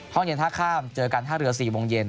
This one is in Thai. ห้องเย็นท่าข้ามเจอกันท่าเรือ๔โมงเย็น